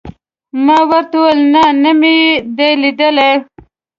ما ورته وویل: نه، نه مې دي لیدلي.